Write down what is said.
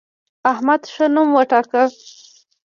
احمد ښه نوم وګاټه.